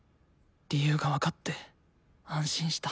理由が分かって安心した。